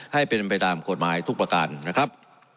ให้เป็นไปตามกฎหมายทุกประการนะครับ